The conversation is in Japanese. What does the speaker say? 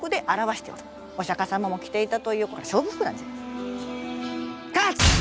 おしゃか様も着ていたという勝負服なんじゃよ。